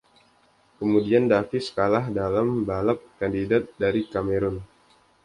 Kemudian Davis kalah dalam balap kandidat dari Cameron.